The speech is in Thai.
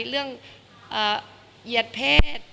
เรื่องเหยียดเพศ